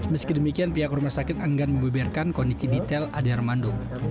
meski demikian pihak rumah sakit enggan membeberkan kondisi detail ade armando